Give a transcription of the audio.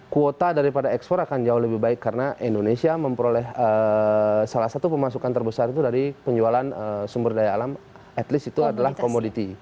kuota daripada ekspor akan jauh lebih baik karena indonesia memperoleh salah satu pemasukan terbesar itu dari penjualan sumber daya alam at least itu adalah komoditi